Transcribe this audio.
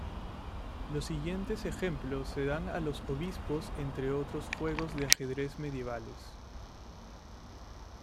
Los siguientes ejemplos se dan a los obispos en otros juegos de ajedrez medievales.